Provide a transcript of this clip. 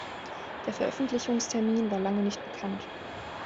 Der Veröffentlichungstermin war lange nicht bekannt.